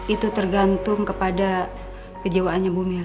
itu tergantung kepada kejewaannya bu melly